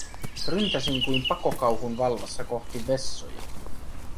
Ryntäsin kuin pakokauhun vallassa kohti vessoja.